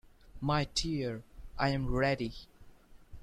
My dear, I am ready!